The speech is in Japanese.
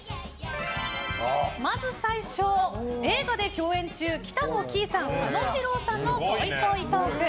まず最初、映画で共演中北乃きいさん、佐野史郎さんのぽいぽいトーク。